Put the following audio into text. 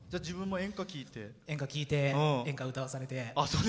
演歌を聴いて、演歌を歌わされて。